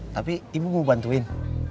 tapi ibu mau bantuin